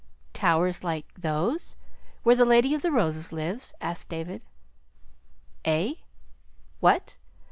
"Towers like those where the Lady of the Roses lives?" asked David. "Eh? What?